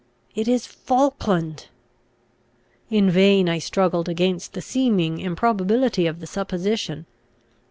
It is Falkland! In vain I struggled against the seeming improbability of the supposition.